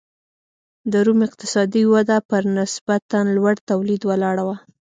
د روم اقتصادي وده پر نسبتا لوړ تولید ولاړه وه.